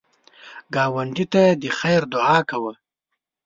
ګاونډي ته د خیر دعا کوه